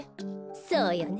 そうよね。